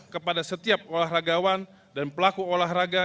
kepada setiap olahragawan dan pelaku olahraga